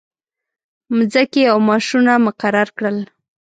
مځکې او معاشونه مقرر کړل.